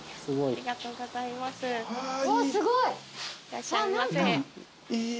すごい。